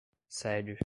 sede